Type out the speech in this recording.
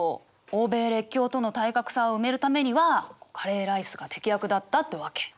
欧米列強との体格差を埋めるためにはカレーライスが適役だったってわけ。